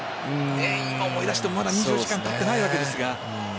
今思い出しても２４時間たってないわけですが。